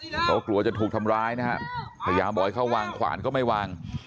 เพราะกลัวจะถูกทำร้ายนะฮะพยายามบอกให้เขาวางขวานก็ไม่วาง